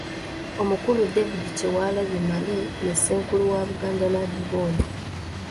Omukungu David Kyewalabye Male ye Ssenkulu wa Buganda Land Board.